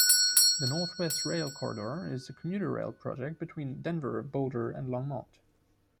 The Northwest Rail Corridor is a commuter rail project between Denver, Boulder, and Longmont.